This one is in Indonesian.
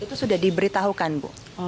itu sudah diberitahukan bu